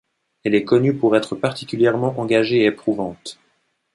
Elle est connue pour être particulièrement engagée et éprouvante.